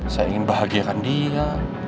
saya ingin bahagiakan dia